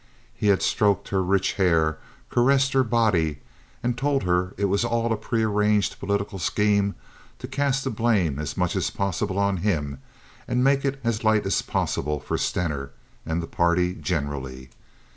He had stroked her rich hair, caressed her body, and told her it was all a prearranged political scheme to cast the blame as much as possible on him and make it as light as possible for Stener and the party generally.